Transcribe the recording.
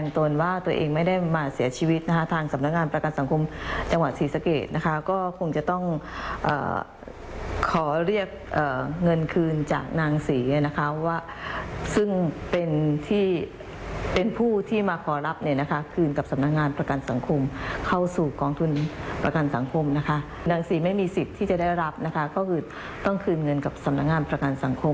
ที่จะได้รับนะคะก็คือต้องคืนเงินกับสำนักงานประกันสังคมนะคะ